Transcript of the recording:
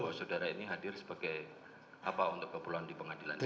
bahwa saudara ini hadir sebagai apa untuk keperluan di pengadilan ini